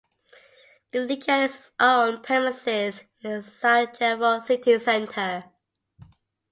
The league has its own premises in the Sarajevo city center.